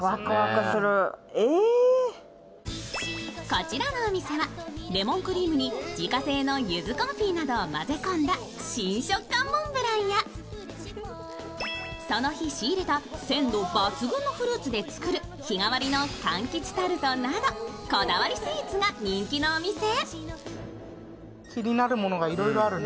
こちらのお店は、レモンクリームに自家製のゆずコンフィなどを混ぜ込んだ新食感モンブランやその日仕入れた鮮度抜群のフルーツで作る、日替わりの柑橘タルトなどこだわりスイーツが人気のお店。